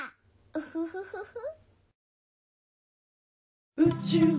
ウフフフフ。